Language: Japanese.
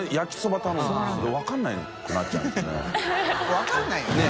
分からないよね。